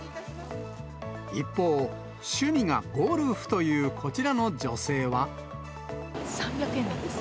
一方、趣味がゴルフというこちら３００円なんです。